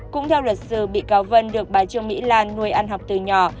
cũng theo luật sư bị cáo vân được bà trương mỹ lan nuôi ăn học từ nhỏ